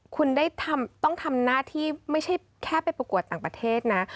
คุณได้ต้องทำหน้าที่ไม่ใช่แค่ไปประกวดต่างประเทศนะ